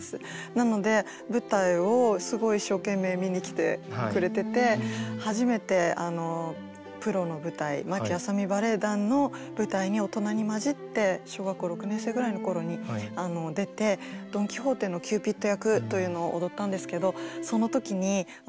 なので舞台をすごい一生懸命見に来てくれてて初めてプロの舞台牧阿佐美バレヱ団の舞台に大人に交じって小学校６年生ぐらいの頃に出て「ドン・キホーテ」のキューピッド役というのを踊ったんですけどその時にあこれですか？